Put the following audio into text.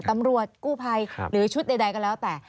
ตำรวจกู้ภัยหรือชุดใดก็แล้วแต่